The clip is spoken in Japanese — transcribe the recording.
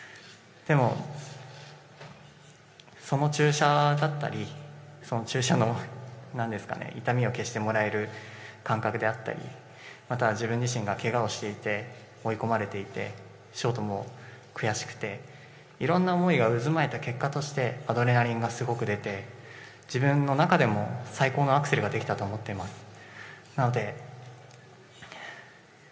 でも、その注射だったりその注射の痛みを消してもらえる感覚であったりまた、自分自身がけがをしていて、追い込まれていて、ショートも悔しくていろんな思いが渦巻いた結果、アドレナリンがすごく出て自分の中でも最高のアクセルができたと思っています。